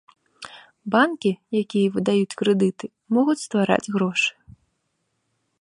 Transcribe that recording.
Банкі, якія выдаюць крэдыты, могуць ствараць грошы.